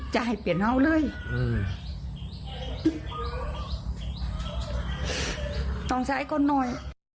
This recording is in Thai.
จับไปแล้วต่างก็หน่อย